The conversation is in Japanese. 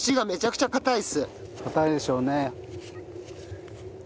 硬いでしょうね。